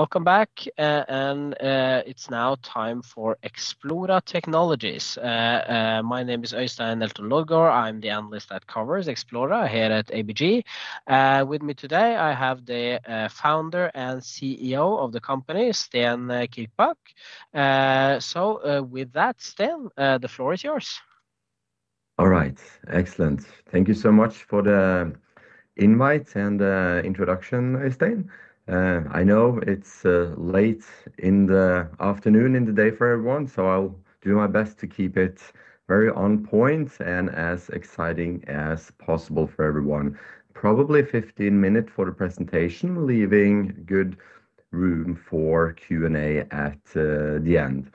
Welcome back, and it's now time for Xplora Technologies. My name is Øystein Elton Løvgaard. I'm the analyst that covers Xplora here at ABG. With me today, I have the founder and CEO of the company, Sten Kirkbak. So with that, Sten, the floor is yours. All right, excellent. Thank you so much for the invite and the introduction, Øystein. I know it's late in the afternoon in the day for everyone, so I'll do my best to keep it very on point and as exciting as possible for everyone. Probably 15 minutes for the presentation, leaving good room for Q&A at the end.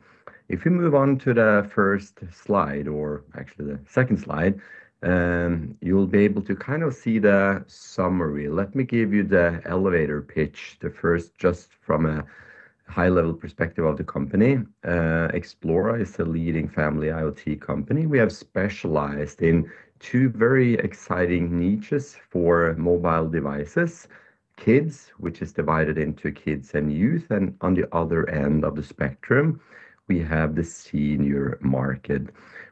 If you move on to the first slide, or actually the second slide, you'll be able to kind of see the summary. Let me give you the elevator pitch, the first, just from a high-level perspective of the company. Xplora is a leading family IoT company. We have specialized in two very exciting niches for mobile devices: kids, which is divided into kids and youth, and on the other end of the spectrum, we have the senior market.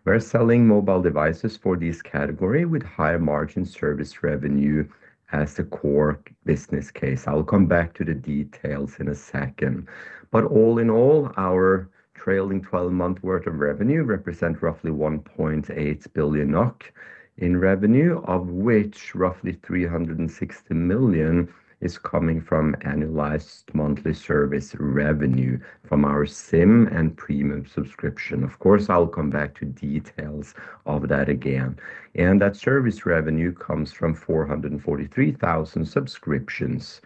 We're selling mobile devices for this category with high margin service revenue as the core business case. I'll come back to the details in a second. But all in all, our trailing 12-month worth of revenue represents roughly 1.8 billion NOK in revenue, of which roughly 360 million is coming from annualized monthly service revenue from our SIM and premium subscription. Of course, I'll come back to details of that again. And that service revenue comes from 443,000 subscriptions.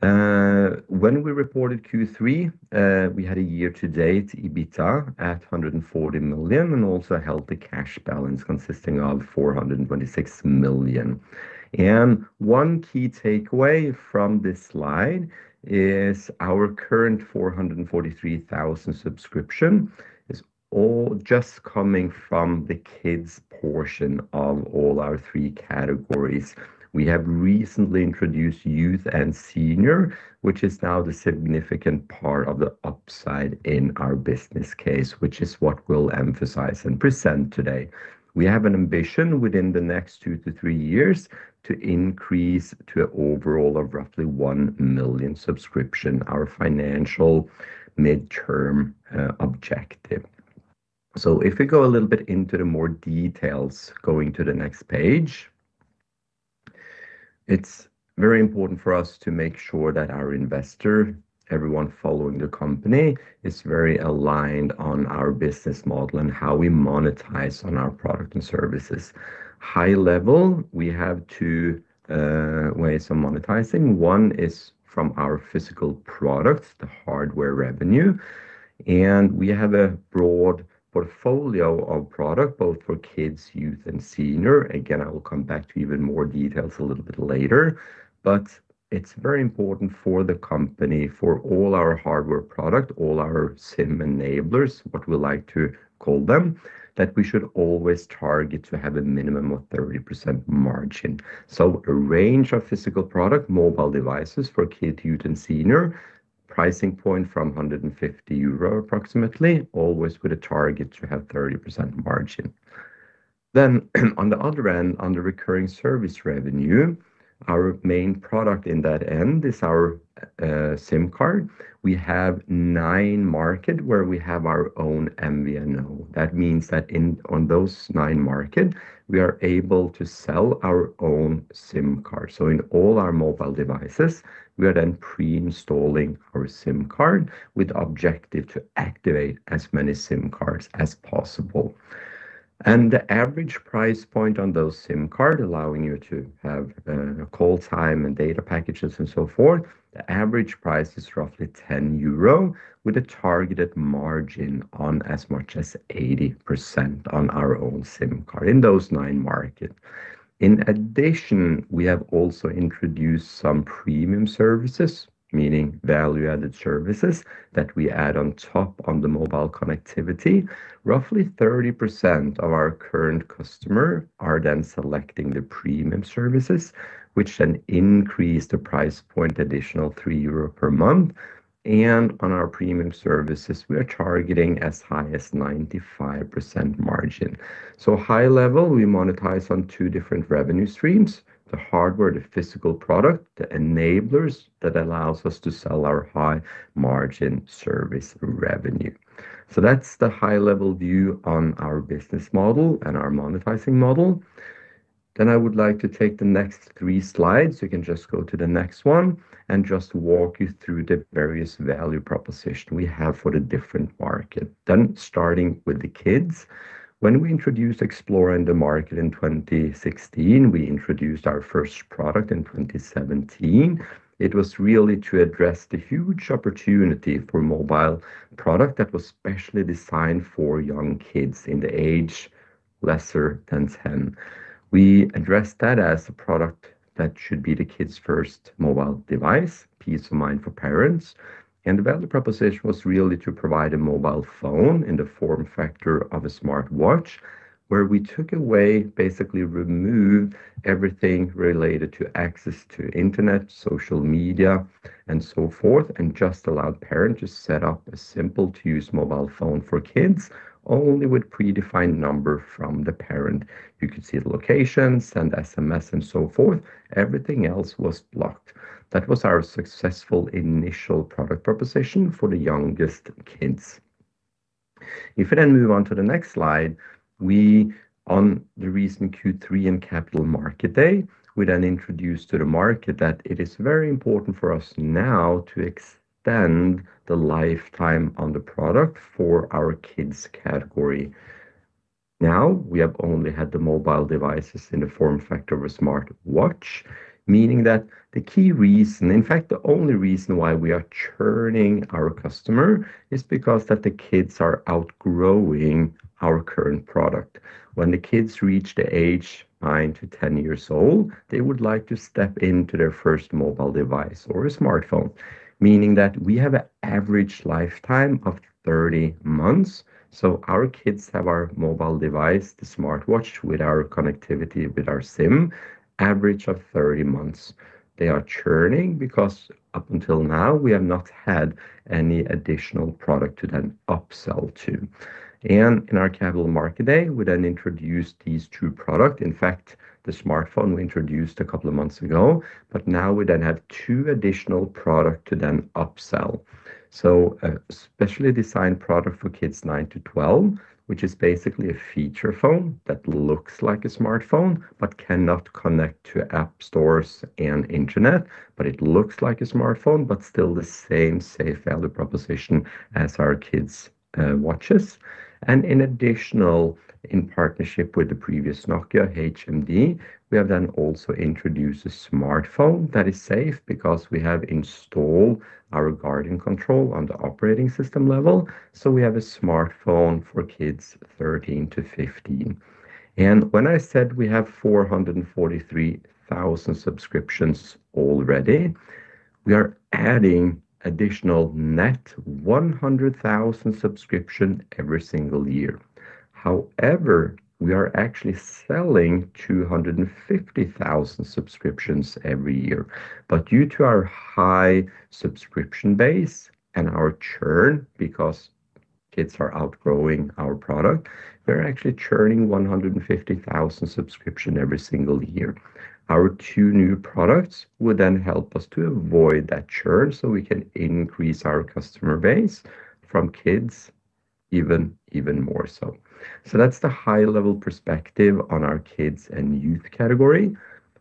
When we reported Q3, we had a year-to-date EBITDA at 140 million and also held a cash balance consisting of 426 million. And one key takeaway from this slide is our current 443,000 subscription is all just coming from the kids portion of all our three categories. We have recently introduced youth and senior, which is now the significant part of the upside in our business case, which is what we'll emphasize and present today. We have an ambition within the next two to three years to increase to an overall of roughly 1 million subscription, our financial midterm objective. So if we go a little bit into the more details, going to the next page, it's very important for us to make sure that our investor, everyone following the company, is very aligned on our business model and how we monetize on our product and services. High level, we have two ways of monetizing. One is from our physical products, the hardware revenue. And we have a broad portfolio of product, both for kids, youth, and senior. Again, I will come back to even more details a little bit later. But it's very important for the company, for all our hardware product, all our SIM enablers, what we like to call them, that we should always target to have a minimum of 30% margin. So a range of physical product, mobile devices for kids, youth, and senior, pricing point from 150 euro approximately, always with a target to have 30% margin. Then, on the other end, under recurring service revenue, our main product in that end is our SIM card. We have nine markets where we have our own MVNO. That means that on those nine markets, we are able to sell our own SIM card. So in all our mobile devices, we are then pre-installing our SIM card with the objective to activate as many SIM cards as possible. The average price point on those SIM cards, allowing you to have call time and data packages and so forth, the average price is roughly 10 euro with a targeted margin on as much as 80% on our own SIM card in those nine markets. In addition, we have also introduced some premium services, meaning value-added services that we add on top on the mobile connectivity. Roughly 30% of our current customers are then selecting the premium services, which then increase the price point additional 3 euro per month. And on our premium services, we are targeting as high as 95% margin. So high level, we monetize on two different revenue streams: the hardware, the physical product, the enablers that allow us to sell our high-margin service revenue. So that's the high-level view on our business model and our monetizing model. Then I would like to take the next three slides. You can just go to the next one and just walk you through the various value propositions we have for the different markets. Then, starting with the kids, when we introduced Xplora in the market in 2016, we introduced our first product in 2017. It was really to address the huge opportunity for mobile products that were specially designed for young kids in the age lesser than 10. We addressed that as a product that should be the kids' first mobile device, peace of mind for parents. And the value proposition was really to provide a mobile phone in the form factor of a smartwatch, where we took away, basically removed everything related to access to internet, social media, and so forth, and just allowed parents to set up a simple-to-use mobile phone for kids only with a predefined number from the parent. You could see the locations, send SMS, and so forth. Everything else was blocked. That was our successful initial product proposition for the youngest kids. If we then move on to the next slide, on the recent Q3 and Capital Markets Day, we then introduced to the market that it is very important for us now to extend the lifetime on the product for our kids category. Now we have only had the mobile devices in the form factor of a smartwatch, meaning that the key reason, in fact, the only reason why we are churning our customer is because the kids are outgrowing our current product. When the kids reach the age nine to 10 years old, they would like to step into their first mobile device or a smartphone, meaning that we have an average lifetime of 30 months. So our kids have our mobile device, the smartwatch, with our connectivity with our SIM, average of 30 months. They are churning because up until now, we have not had any additional product to then upsell to. And in our capital market day, we then introduced these two products. In fact, the smartphone we introduced a couple of months ago, but now we then have two additional products to then upsell. A specially designed product for kids 9-12, which is basically a feature phone that looks like a smartphone but cannot connect to app stores and internet, but it looks like a smartphone, but still the same safe value proposition as our kids' watches. In addition, in partnership with HMD Global, we have then also introduced a smartphone that is safe because we have installed our Guardian Control on the operating system level. We have a smartphone for kids 13-15. When I said we have 443,000 subscriptions already, we are adding additional net 100,000 subscriptions every single year. However, we are actually selling 250,000 subscriptions every year. Due to our high subscription base and our churn, because kids are outgrowing our product, we're actually churning 150,000 subscriptions every single year. Our two new products would then help us to avoid that churn so we can increase our customer base from kids even more so, so that's the high-level perspective on our kids and youth category.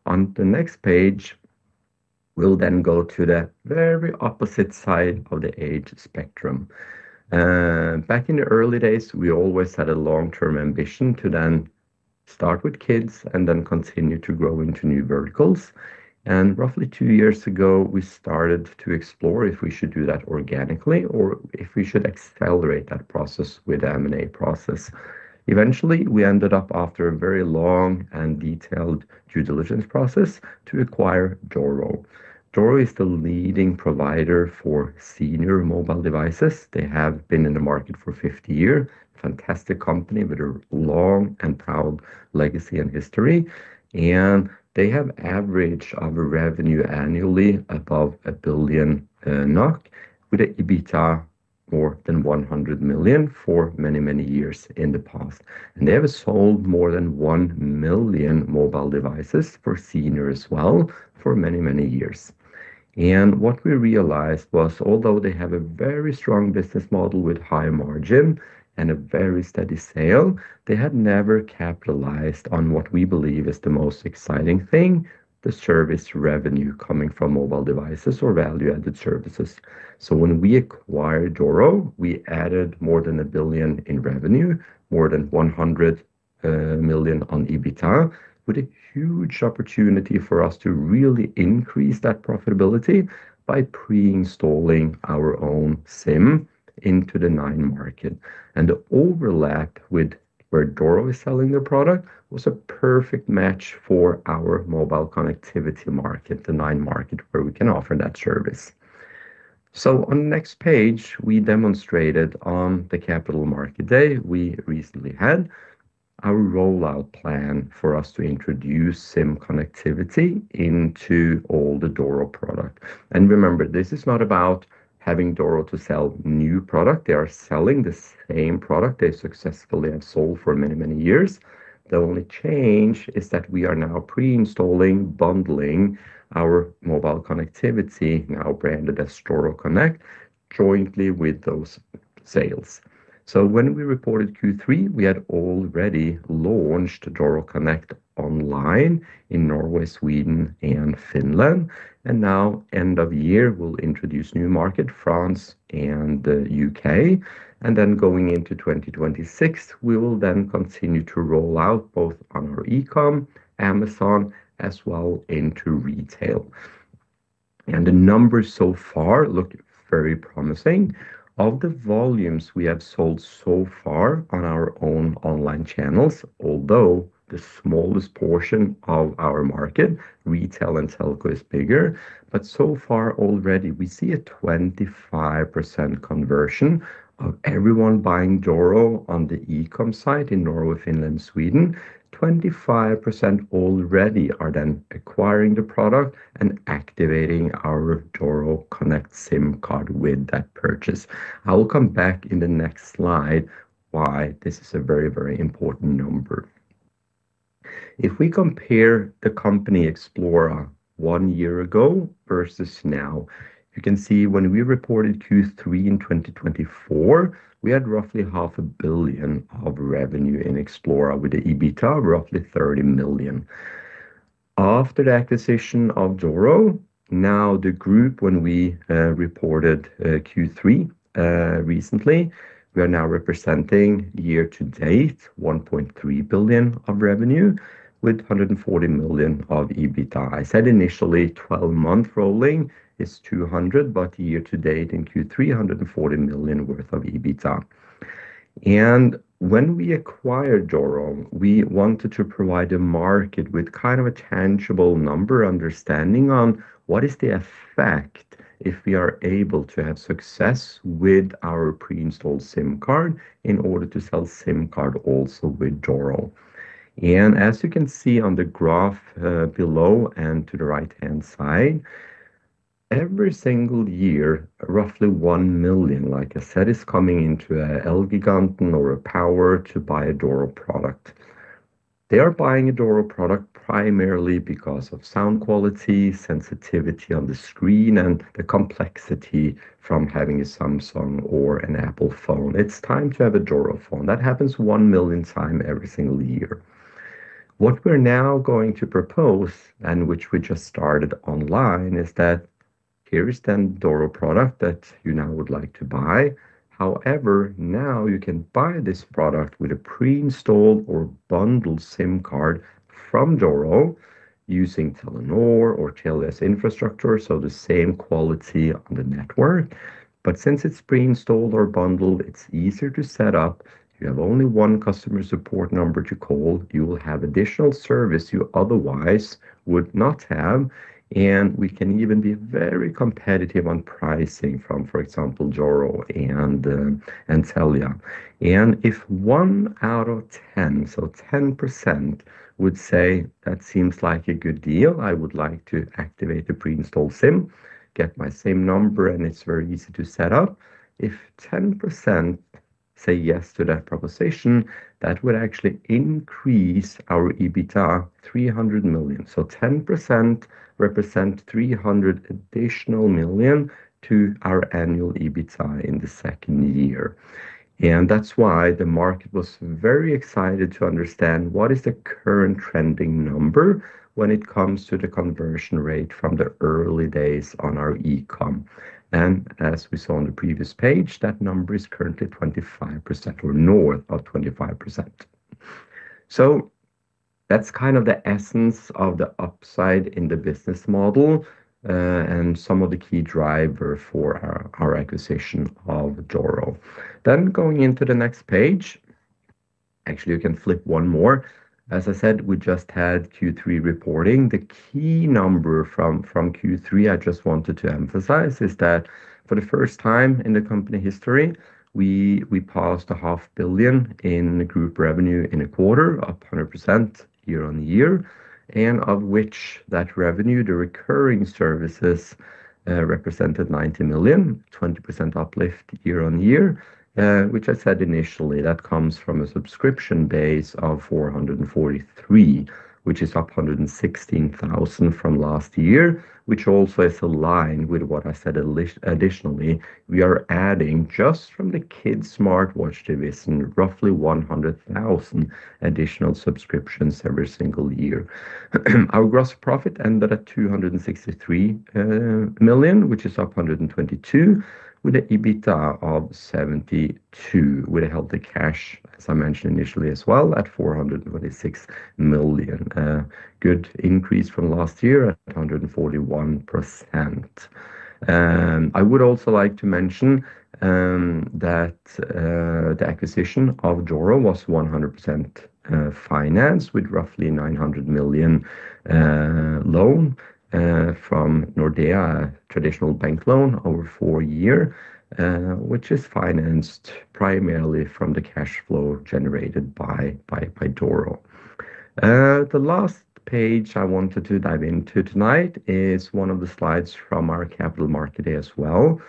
On the next page, we'll then go to the very opposite side of the age spectrum. Back in the early days, we always had a long-term ambition to then start with kids and then continue to grow into new verticals, and roughly two years ago, we started to explore if we should do that organically or if we should accelerate that process with the M&A process. Eventually, we ended up, after a very long and detailed due diligence process, to acquire Doro. Doro is the leading provider for senior mobile devices. They have been in the market for 50 years, a fantastic company with a long and proud legacy and history. They have averaged revenue annually above a billion NOK, with EBITDA more than 100 million for many, many years in the past. They have sold more than one million mobile devices for seniors as well for many, many years. What we realized was, although they have a very strong business model with high margin and a very steady sale, they had never capitalized on what we believe is the most exciting thing, the service revenue coming from mobile devices or value-added services. So when we acquired Doro, we added more than a billion in revenue, more than 100 million on EBITDA, with a huge opportunity for us to really increase that profitability by pre-installing our own SIM into the Nordic market. And the overlap with where Doro is selling the product was a perfect match for our mobile connectivity market, the Nordic market where we can offer that service. So on the next page, we demonstrated, on the capital market day we recently had, our rollout plan for us to introduce SIM connectivity into all the Doro product. And remember, this is not about having Doro to sell new product. They are selling the same product they successfully have sold for many, many years. The only change is that we are now pre-installing, bundling our mobile connectivity, now branded as Doro Connect, jointly with those sales. So when we reported Q3, we had already launched Doro Connect online in Norway, Sweden, and Finland. And now, end of year, we'll introduce new market, France and the U.K. And then going into 2026, we will then continue to roll out both on our e-comm, Amazon, as well into retail. And the numbers so far look very promising. Of the volumes we have sold so far on our own online channels, although the smallest portion of our market, retail and telco, is bigger, but so far already, we see a 25% conversion of everyone buying Doro on the e-comm site in Norway, Finland, and Sweden. 25% already are then acquiring the product and activating our Doro Connect SIM card with that purchase. I'll come back in the next slide why this is a very, very important number. If we compare the company Xplora one year ago versus now, you can see when we reported Q3 in 2024, we had roughly 500 million of revenue in Xplora with the EBITDA of roughly 30 million. After the acquisition of Doro, now the group, when we reported Q3 recently, we are now representing year-to-date 1.3 billion NOK of revenue with 140 million NOK of EBITDA. I said initially 12-month rolling is 200, but year-to-date in Q3, 140 million NOK worth of EBITDA. When we acquired Doro, we wanted to provide a market with kind of a tangible number understanding on what is the effect if we are able to have success with our pre-installed SIM card in order to sell SIM card also with Doro. As you can see on the graph below and to the right-hand side, every single year, roughly 1 million, like I said, is coming into an Elgiganten or a Power to buy a Doro product. They are buying a Doro product primarily because of sound quality, sensitivity on the screen, and the complexity from having a Samsung or an Apple phone. It's time to have a Doro phone. That happens one million times every single year. What we're now going to propose, and which we just started online, is that here is the Doro product that you now would like to buy. However, now you can buy this product with a pre-installed or bundled SIM card from Doro using Telenor or Telia infrastructure, so the same quality on the network. But since it's pre-installed or bundled, it's easier to set up. You have only one customer support number to call. You will have additional service you otherwise would not have. We can even be very competitive on pricing from, for example, Doro and Telia. If one out of 10, so 10%, would say, "That seems like a good deal. “I would like to activate a pre-installed SIM, get my SIM number, and it's very easy to set up.” If 10% say yes to that proposition, that would actually increase our EBITDA 300 million. So 10% represents 300 million additional to our annual EBITDA in the second year, and that's why the market was very excited to understand what is the current trending number when it comes to the conversion rate from the early days on our e-comm, and as we saw on the previous page, that number is currently 25% or north of 25%, so that's kind of the essence of the upside in the business model and some of the key drivers for our acquisition of Doro, then going into the next page, actually, you can flip one more. As I said, we just had Q3 reporting. The key number from Q3 I just wanted to emphasize is that for the first time in the company history, we passed 500 million in group revenue in a quarter, 100% year on year, and of which that revenue, the recurring services represented 90 million, 20% uplift year on year, which I said initially that comes from a subscription base of 443, which is up 116,000 from last year, which also is aligned with what I said additionally. We are adding just from the kids' smartwatch division roughly 100,000 additional subscriptions every single year. Our gross profit ended at 263 million, which is up 122, with an EBITDA of 72 million, with a healthy cash, as I mentioned initially as well, at 426 million. Good increase from last year at 141%. I would also like to mention that the acquisition of Doro was 100% financed with roughly 900 million loan from Nordea, a traditional bank loan over four years, which is financed primarily from the cash flow generated by Doro. The last page I wanted to dive into tonight is one of the slides from our capital market day as well,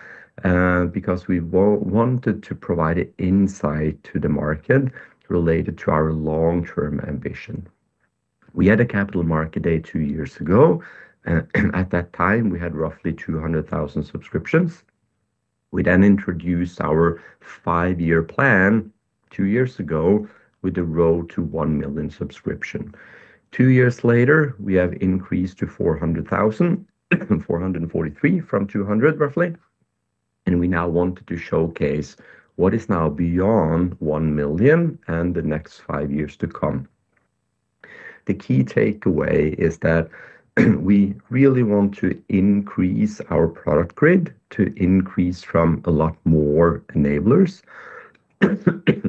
because we wanted to provide an insight to the market related to our long-term ambition. We had a capital market day two years ago. At that time, we had roughly 200,000 subscriptions. We then introduced our five-year plan two years ago with the road to 1 million subscription. Two years later, we have increased to 400,000, 443 from 200 roughly. We now wanted to showcase what is now beyond 1 million and the next five years to come. The key takeaway is that we really want to increase our product grid to increase from a lot more enablers.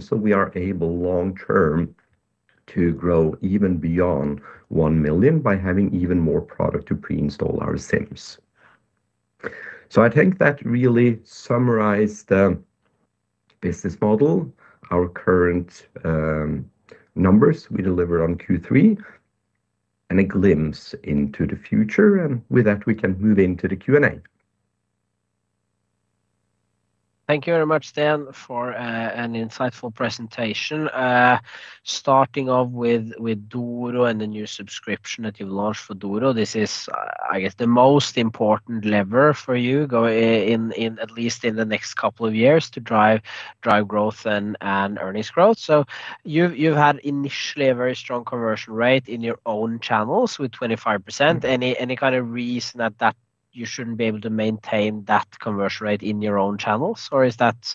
So we are able long-term to grow even beyond one million by having even more product to pre-install our SIMs. So I think that really summarized the business model, our current numbers we delivered on Q3, and a glimpse into the future. And with that, we can move into the Q&A. Thank you very much, Sten, for an insightful presentation. Starting off with Doro and the new subscription that you've launched for Doro, this is, I guess, the most important lever for you, at least in the next couple of years, to drive growth and earnings growth. So you've had initially a very strong conversion rate in your own channels with 25%. Any kind of reason that you shouldn't be able to maintain that conversion rate in your own channels, or is that?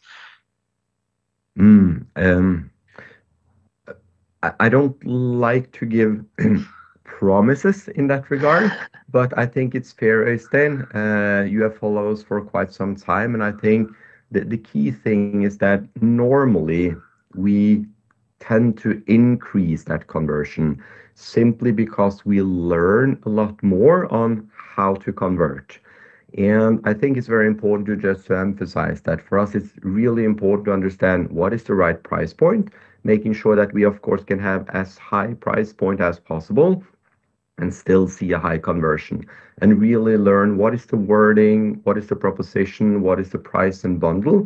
I don't like to give promises in that regard, but I think it's fair, Sten. You have followed us for quite some time, and I think the key thing is that normally we tend to increase that conversion simply because we learn a lot more on how to convert, and I think it's very important to just emphasize that for us, it's really important to understand what is the right price point, making sure that we, of course, can have as high a price point as possible and still see a high conversion, and really learn what is the wording, what is the proposition, what is the price and bundle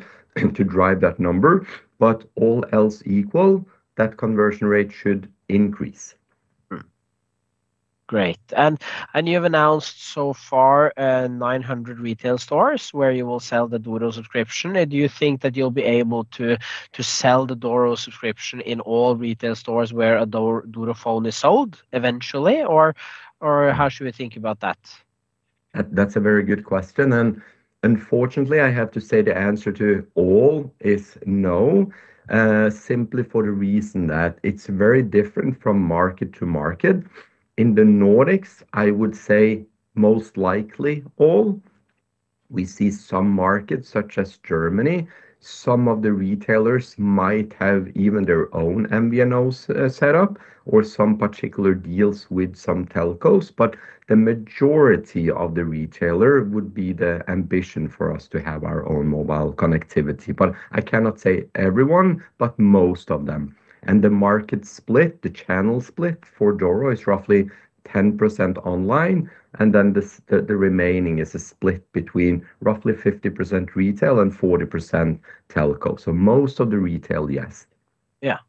to drive that number, but all else equal, that conversion rate should increase. Great. And you have announced so far 900 retail stores where you will sell the Doro subscription. Do you think that you'll be able to sell the Doro subscription in all retail stores where a Doro phone is sold eventually, or how should we think about that? That's a very good question. And unfortunately, I have to say the answer to all is no, simply for the reason that it's very different from market to market. In the Nordics, I would say most likely all. We see some markets such as Germany. Some of the retailers might have even their own MVNOs set up or some particular deals with some telcos, but the majority of the retailer would be the ambition for us to have our own mobile connectivity. But I cannot say everyone, but most of them. The market split, the channel split for Doro is roughly 10% online, and then the remaining is a split between roughly 50% retail and 40% telco. So most of the retail, yes. Yeah,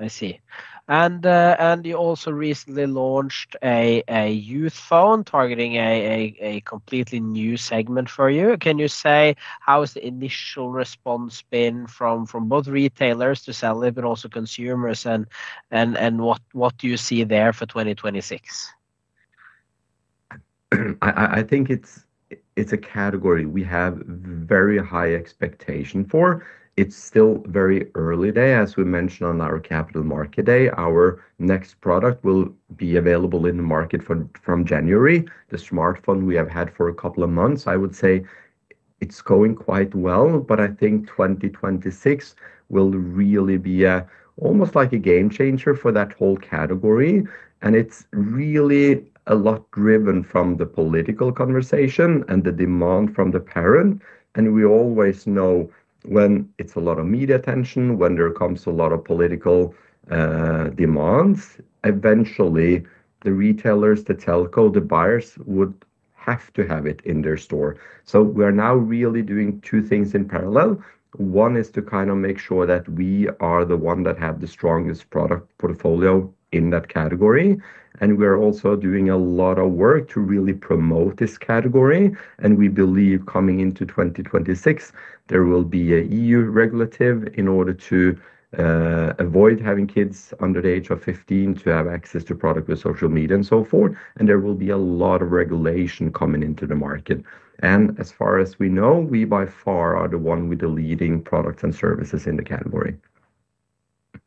I see. You also recently launched a youth phone targeting a completely new segment for you. Can you say how has the initial response been from both retailers to sell it, but also consumers, and what do you see there for 2026? I think it's a category we have very high expectation for. It's still very early day, as we mentioned on our capital market day. Our next product will be available in the market from January. The smartphone we have had for a couple of months, I would say it's going quite well, but I think 2026 will really be almost like a game changer for that whole category. And it's really a lot driven from the political conversation and the demand from the parent. And we always know when it's a lot of media attention, when there comes a lot of political demands. Eventually the retailers, the telco, the buyers would have to have it in their store. So we are now really doing two things in parallel. One is to kind of make sure that we are the one that have the strongest product portfolio in that category. And we are also doing a lot of work to really promote this category. And we believe coming into 2026, there will be an EU regulation in order to avoid having kids under the age of 15 to have access to product with social media and so forth. And there will be a lot of regulation coming into the market. As far as we know, we by far are the one with the leading products and services in the category.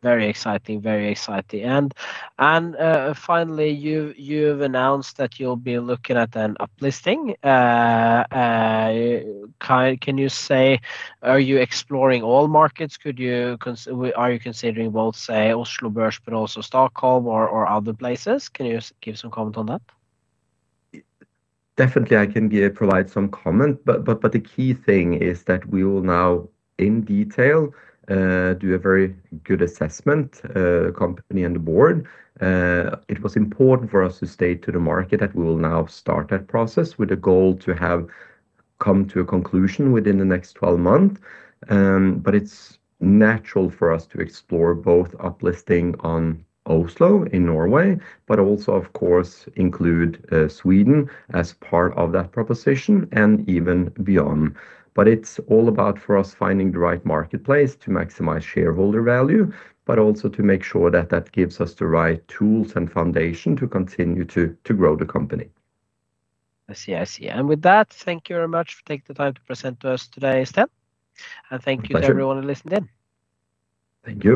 Very exciting, very exciting. Finally, you've announced that you'll be looking at an uplisting. Can you say, are you exploring all markets? Are you considering both, say, Oslo Børs, but also Stockholm or other places? Can you give some comment on that? Definitely, I can provide some comment, but the key thing is that we will now, in detail, do a very good assessment, company and the board. It was important for us to state to the market that we will now start that process with a goal to have come to a conclusion within the next 12 months. It's natural for us to explore both uplisting on Oslo in Norway, but also, of course, include Sweden as part of that proposition and even beyond. But it's all about for us finding the right marketplace to maximize shareholder value, but also to make sure that that gives us the right tools and foundation to continue to grow the company. I see, I see. And with that, thank you very much for taking the time to present to us today, Sten. And thank you to everyone who listened in. Thank you.